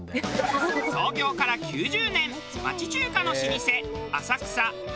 創業から９０年町中華の老舗。